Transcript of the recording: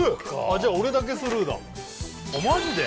じゃあ俺だけスルーだいくかマジで？